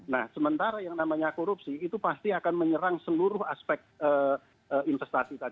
nah sementara yang namanya korupsi itu pasti akan menyerang seluruh aspek investasi tadi